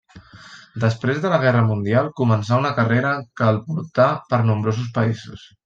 Després de la guerra mundial començà una carrera que el portà per nombrosos països.